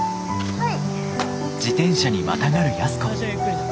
はい。